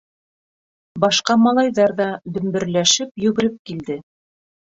Башҡа малайҙар ҙа дөмбөрләшеп йүгереп килде.